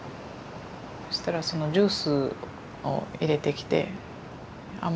そしたらそのジュースを入れてきて。